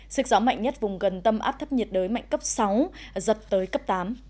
sức gió mạnh nhất vùng gần tâm áp thấp nhiệt đới mạnh cấp sáu giật tới cấp tám